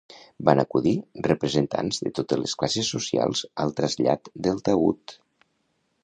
Van acudir representants de totes les classes socials al trasllat del taüt.